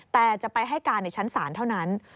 แต่จะไปให้การในชั้นศาลเท่านั้น